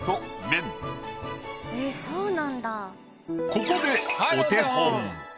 ここでお手本。